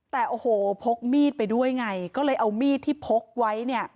แต่โอ้โหพกมีดไปด้วยไงก็เลยเอามีดที่พกไว้เนี่ย